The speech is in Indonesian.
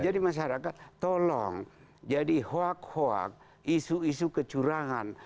jadi masyarakat tolong jadi hoak hoak isu isu kecurangan